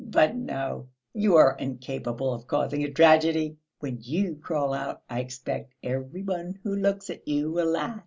But no, you are incapable of causing a tragedy! When you crawl out, I expect every one who looks at you will laugh.